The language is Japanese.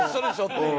っていう。